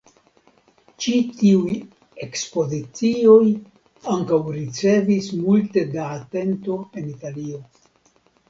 Ĉi tiuj ekspozicioj ankaŭ ricevis multe da atento en Italio.